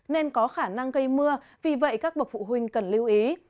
nên có khả năng gây mưa vì vậy các bậc phụ huynh cần lưu ý